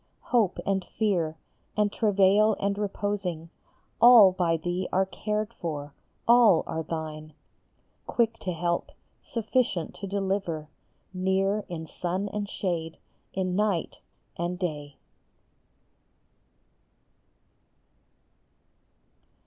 Hope and fear, and travail and reposing, All by thee are cared for, all are thine, Quick to help, sufficient to deliver, Near in sun and shade, in night and day.